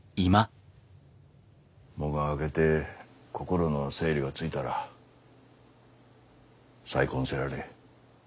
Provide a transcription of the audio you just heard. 喪が明けて心の整理がついたら再婚せられえ。